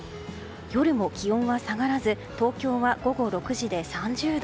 夜も気温は下がらず東京は午後６時で３０度。